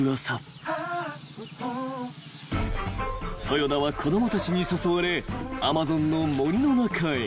［トヨダは子供たちに誘われアマゾンの森の中へ］